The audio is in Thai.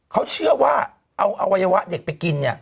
เขาเชื่อว่าเอาอวัยวะเด็กไปกินเนี่ย